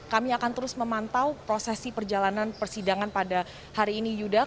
kami akan terus memantau prosesi perjalanan persidangan pada hari ini yuda